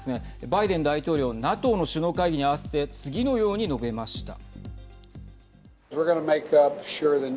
バイデン大統領はＮＡＴＯの首脳会議に合わせて次のように述べました。